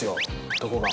男が。